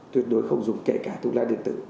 tuyệt đối không dùng kể cả thuốc lá điện tử